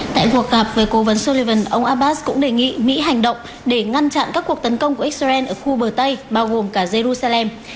tại cuộc gặp với cố vấn sullivan ông abbas cũng đề nghị mỹ hành động để ngăn chặn các cuộc tấn công của israel ở khu bờ tây bao gồm cả jerusalem